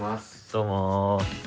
どうも。